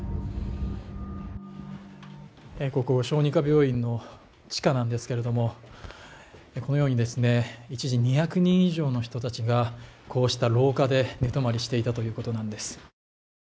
ここは小児科病院の地下なんですけれども、このように、一時２００人以上の人たちが、こうした廊下で寝泊まりしていたということです。